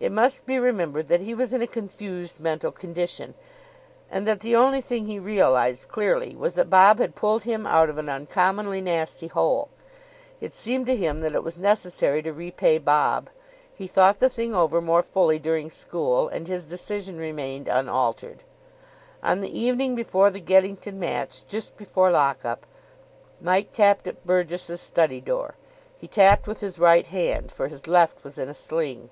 It must be remembered that he was in a confused mental condition, and that the only thing he realised clearly was that Bob had pulled him out of an uncommonly nasty hole. It seemed to him that it was necessary to repay Bob. He thought the thing over more fully during school, and his decision remained unaltered. On the evening before the Geddington match, just before lock up, Mike tapped at Burgess's study door. He tapped with his right hand, for his left was in a sling.